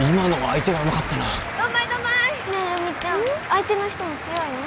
相手の人も強いの？